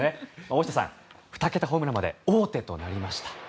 大下さん、２桁ホームランまで王手となりました。